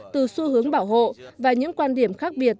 từ xu hướng bảo hộ và những quan điểm khác biệt